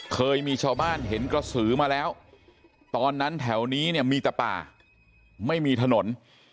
เคยมีชาวบ้านเห็นกระสือมาแล้วตอนนั้นแถวนี้เนี่ยมีแต่ป่าไม่มีถนน